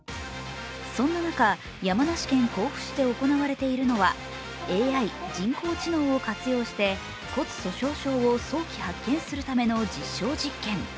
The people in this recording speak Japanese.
そんな中、山梨県甲府市で行われているのはＡＩ＝人工知能を活用して骨粗しょう症を早期発見するための実証実験。